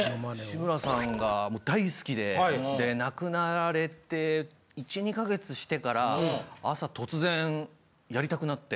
志村さんがもう大好きで亡くなられて１２か月してから朝突然やりたくなって。